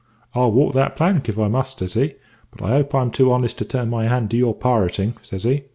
"`I'll walk that plank, if I must,' says he; `but I hope I'm too honest to turn my hand to your pirating,' says he.